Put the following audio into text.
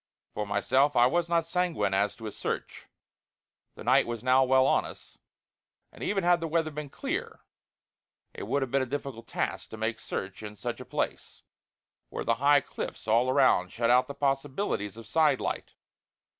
For myself I was not sanguine as to a search. The night was now well on us, and even had the weather been clear it would have been a difficult task to make search in such a place, where the high cliffs all around shut out the possibilities of side light.